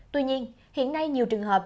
tuy nhiên hiện nay nhiều trường hợp